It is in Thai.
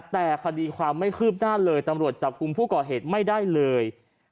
แต่คดีความไม่คืบหน้าเลยตำรวจจับกลุ่มผู้ก่อเหตุไม่ได้เลย